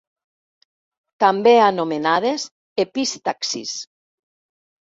També anomenades epistaxis.